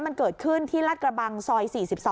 มันเกิดขึ้นที่รัฐกระบังซอย๔๒